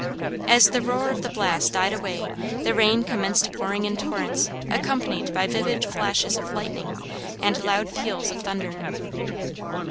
As the roar of the blast died away the rain commenced pouring in torrents accompanied by vivid flashes of lightning and loud peals of thunder.